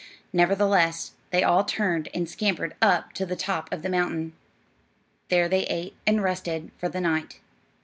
Nevertheless, they all turned and scampered up to the top of the mountain. There they ate and rested for the night.